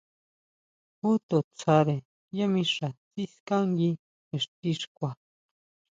Ju to tsáre yá mixa siskángui ixti xkua.